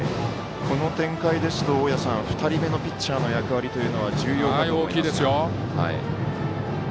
この展開ですと２人目のピッチャーの役割というのは重要かと思います。